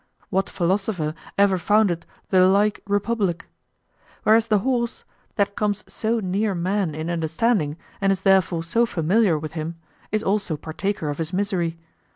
What philosopher ever founded the like republic? Whereas the horse, that comes so near man in understanding and is therefore so familiar with him, is also partaker of his misery.